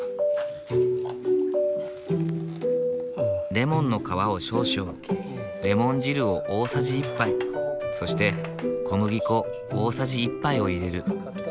レモンの皮を少々レモン汁を大さじ１杯そして小麦粉大さじ１杯を入れる。